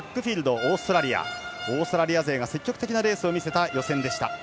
オーストラリア勢が積極的なレースを見せた予選でした。